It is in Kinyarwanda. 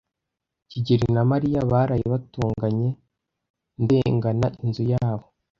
kigeli na Mariya baraye batonganye ndengana inzu yabo.